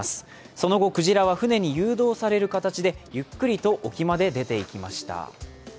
その後、クジラは船に誘導される形でゆっくりと沖まで出ていきました。